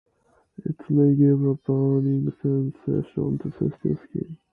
It may give a burning sensation to sensitive skin.